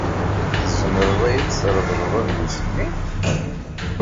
Tzemreḍ ad iyi-d-treḍleḍ adlis-nni?